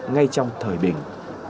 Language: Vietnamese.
ngay trong thời bình